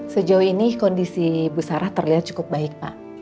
sejauh ini kondisi bu sarah terlihat cukup baik